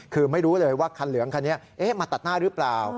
คือไม่รู้เลยว่าคันเหลืองคันนี้มาตัดหน้าหรือเปล่า